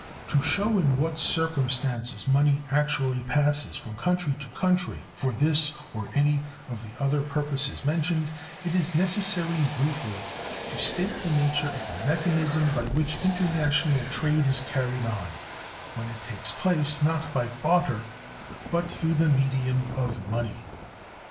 To show in what circumstances money actually passes from country to country for this or any of the other purposes mentioned, it is necessary briefly to state the nature of the mechanism by which international trade is carried on, when it takes place not by barter but through the medium of money.